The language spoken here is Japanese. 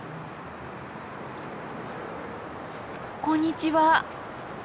こんにちは。